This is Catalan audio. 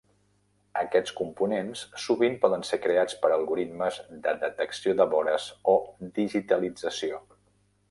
Aquests components sovint poden ser creats per algoritmes de detecció de vores o digitalització.